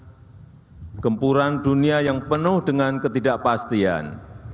sebuah gempuran dunia yang penuh dengan ketidakpastian